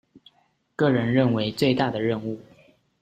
個人認為最大的任務